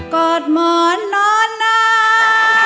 กอดหมอนนอนหน้า